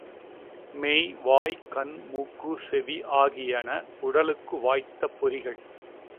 மெய், வாய், கண், மூக்கு, செவி ஆகியன உடலுக்கு வாய்த்த பொறிகள்.